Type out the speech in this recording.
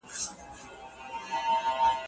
که استاد او شاګرد سره جوړ نه وي څېړنه پاته کېږي.